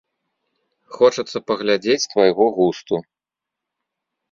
Хочацца паглядзець твайго густу.